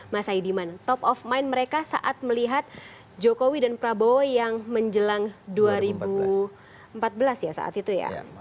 mas aidiman top of mind mereka saat melihat jokowi dan prabowo yang menjelang dua ribu empat belas ya saat itu ya